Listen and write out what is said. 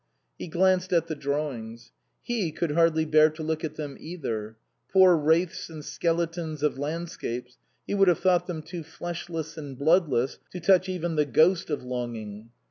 He glanced at the drawings. He could hardly bear to look at them either. Poor wraiths and skeletons of landscapes, he would have thought them too fleshless and bloodless to touch even the ghost of longing.